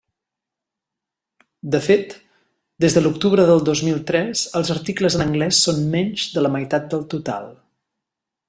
De fet, des de l'octubre del dos mil tres, els articles en anglès són menys de la meitat del total.